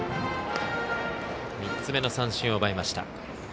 ３つ目の三振を奪いました。